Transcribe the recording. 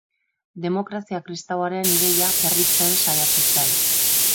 Demokrazia kristauaren ideia berritzen saiatu zen.